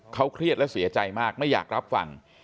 เขาเครียดและเสียใจมากไม่อยากรับฟัง